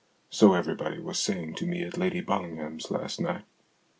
So everybody was saying to me at Lady Ballingham's last night.